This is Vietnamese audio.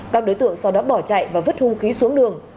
các đối tượng sau đó bỏ chạy và vứt hung khí xuống đường